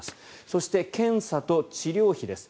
そして、検査と治療費です。